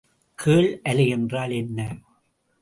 கேள் அலை என்றால் என்ன?